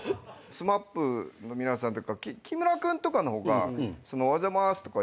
ＳＭＡＰの皆さんっていうか木村君とかの方が「おはようございます」とか。